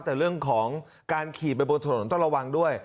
แต่เรื่องของการขี่ไปบนถนนต้องระวังด้วย